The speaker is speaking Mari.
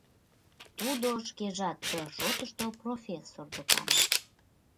Тудо шкежат ты шотышто профессор докан.